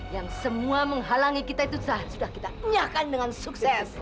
yang semua menghalangi kita itu sudah kita punyakan dengan sukses